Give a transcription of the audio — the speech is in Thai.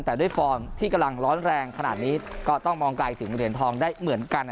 แต่ด้วยฟอร์มที่กำลังร้อนแรงขนาดนี้ก็ต้องมองไกลถึงเหรียญทองได้เหมือนกัน